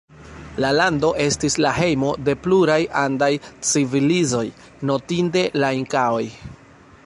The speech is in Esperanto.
La lando estis la hejmo de pluraj andaj civilizoj, notinde la inkaoj.